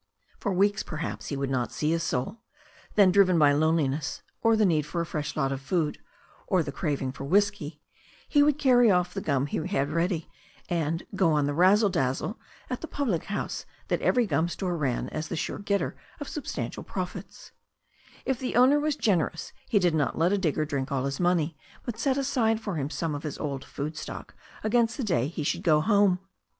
For weeks, perhaps, he would not see a soul. Then driven by loneliness, or the need for a fresh lot of food, or the craving for whisky, he would carry off the gum he had ready, and "go on the razzle dazzle" at the public house that every gum store ran as a sure getter of substantial profits, li the owner was generous he did not let a digger drink all his money, but set aside for him some of his old food stock against the day he should go home.